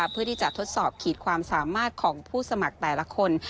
เพื่อที่จะทดสอบขีดความสามารถของผู้สมัครแต่ละคน